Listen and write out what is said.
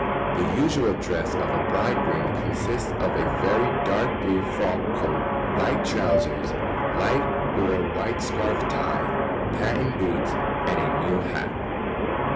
] The usual dress of a bridegroom consists of a very dark blue frock coat, light trousers, light or white scarf tie, patent boots, and a new hat.